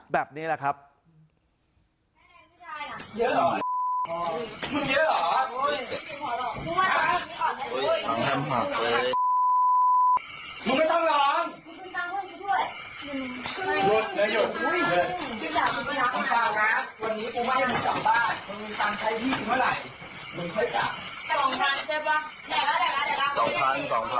แบบนี้แหละครับ